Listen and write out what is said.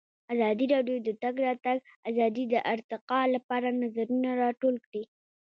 ازادي راډیو د د تګ راتګ ازادي د ارتقا لپاره نظرونه راټول کړي.